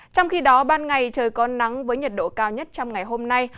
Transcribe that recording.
trong khi đó ban ngày trời có nắng với nhiệt độ cao nhất trong ngày hôm nay